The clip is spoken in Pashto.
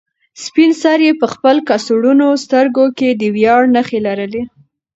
سپین سرې په خپل کڅوړنو سترګو کې د ویاړ نښې لرلې.